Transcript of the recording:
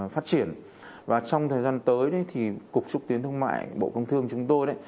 phát triển và trong thời gian tới thì cục trúc tiến thương mại bộ công thương chúng tôi